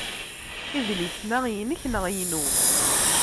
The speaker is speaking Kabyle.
Idlisen-a inekk neɣ inu?